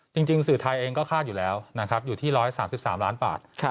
จริงสื่อไทยเองก็คาดอยู่แล้วนะครับอยู่ที่๑๓๓ล้านบาท